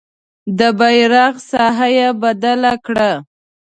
د بیرغ ساحه یې بدله کړه.